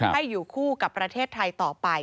ให้อยู่คู่กับประเทศไทยต่อไป